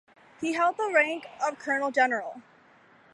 He held the rank of Colonel General.